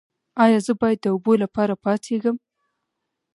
ایا زه باید د اوبو لپاره پاڅیږم؟